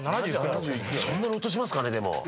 そんなに落としますかね？